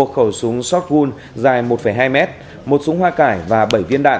một khẩu súng shotgun dài một hai m một súng hoa cải và bảy viên đạn một súng can năm mươi chín và hai viên đạn